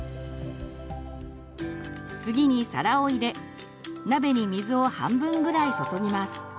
次に皿を入れ鍋に水を半分ぐらい注ぎます。